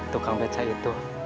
tukang beca itu